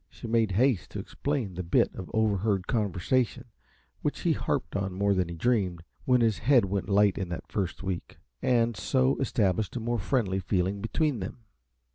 She made haste to explain the bit of overheard conversation, which he harped on more than he dreamed, when his head went light in that first week, and so established a more friendly feeling between them.